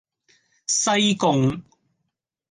西貢